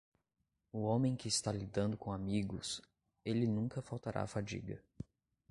O homem que está lidando com amigos, ele nunca faltará fadiga.